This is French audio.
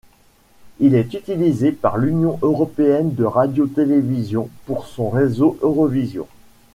Il est utilisé par l'Union européenne de radio-télévision pour son réseau Eurovision.